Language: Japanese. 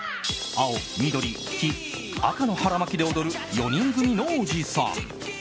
青、緑、黄、赤の腹巻きで踊る４人組のおじさん。